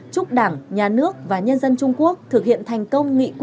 chúc đảng nhà nước và nhân dân trung quốc thực hiện thành công